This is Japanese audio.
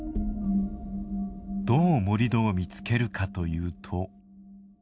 どう盛土を見つけるかというと。